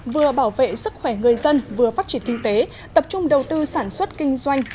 vừa bảo vệ sức khỏe người dân vừa phát triển kinh tế tập trung đầu tư sản xuất kinh doanh